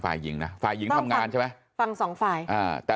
ฝ่ายหญิงนะฝ่ายหญิงทำงานใช่ไหมฟังสองฝ่ายอ่าแต่